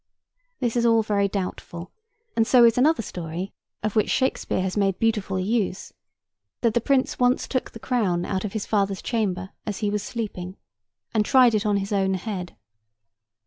This is all very doubtful, and so is another story (of which Shakespeare has made beautiful use), that the Prince once took the crown out of his father's chamber as he was sleeping, and tried it on his own head.